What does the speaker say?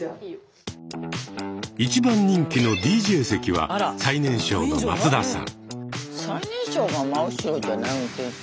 一番人気のＤＪ席は最年少の松田さん。